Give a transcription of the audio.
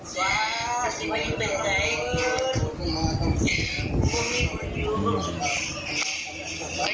ใช่มะเงินป่ะ